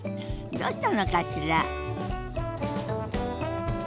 どうしたのかしら？